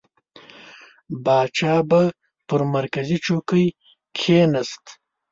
پاچا به پر مرکزي چوکۍ کښېنست.